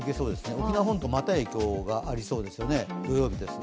沖縄本島、また影響がありそうですよね、土曜日です。